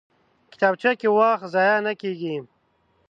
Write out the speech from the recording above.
کتابچه کې وخت ضایع نه کېږي